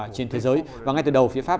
trên thế giới và ngay từ đầu phía pháp